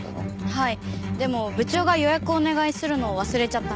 はい。